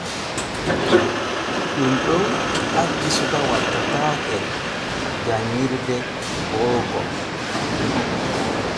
Ɗun ɗon acci suka wattataake janƞirde booko.